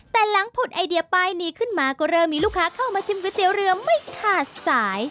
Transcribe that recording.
แต่หลังผุดไอเดียป้ายนี้ขึ้นมาก็เริ่มมีลูกค้าเข้ามาชิมก๋วยเตี๋ยวเรือไม่ขาดสาย